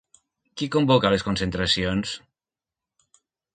Qui convoca les concentracions?